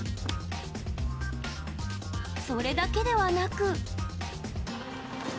それだけではなく。